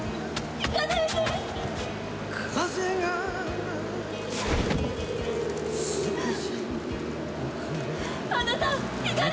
行かないで。